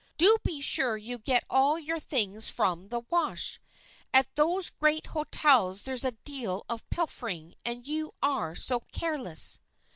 Do be sure you get all your things from the wash. At those great hotels there's a deal of pilfering, and you are so careless."